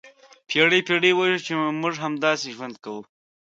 پېړۍ پېړۍ وشوې چې موږ همداسې ژوند کوو.